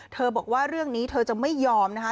บอกว่าเรื่องนี้เธอจะไม่ยอมนะคะ